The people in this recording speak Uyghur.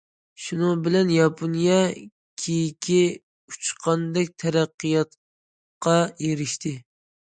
شۇنىڭ بىلەن ياپونىيە كېيىكى ئۇچقاندەك تەرەققىياتقا ئېرىشتى.